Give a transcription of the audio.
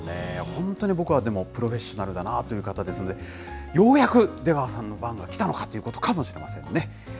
本当に僕はでも、プロフェッショナルだなという方ですので、ようやく、出川さんの番が来たのかということなのかもしれませんね。